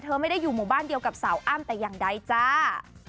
ไม่ได้อยู่หมู่บ้านเดียวกับสาวอ้ำแต่อย่างใดจ้า